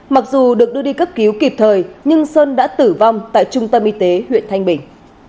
mặc dù được đưa đi cấp cứu kịp thời nhưng sơn đã tử vong tại trung tâm y tế huyện thanh bình